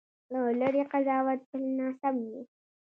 له لرې قضاوت تل ناسم وي.